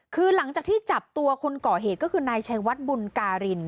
คือหลังจากที่จับตัวคนก่อเหตุก็คือนายชัยวัดบุญการิน